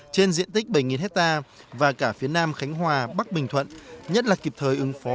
trên diện tích bảy hectare và cả phía nam khánh hòa bắc bình thuận nhất là kịp thời ứng phó